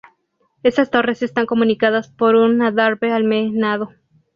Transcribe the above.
Estas torres están comunicadas por un adarve almenado.